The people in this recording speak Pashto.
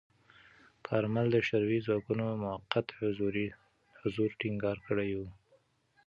کارمل د شوروي ځواکونو موقت حضور ټینګار کړی و.